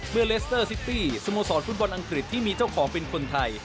เลสเตอร์ซิตี้สโมสรฟุตบอลอังกฤษที่มีเจ้าของเป็นคนไทย